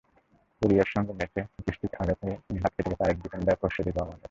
কোরিয়ার সঙ্গে ম্যাচে হকিস্টিকের আঘাতে হাত কেটে গেছে আরেক ডিফেন্ডার খোরশেদুর রহমানের।